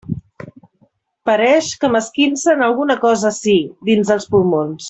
Pareix que m'esquincen alguna cosa ací, dins dels pulmons.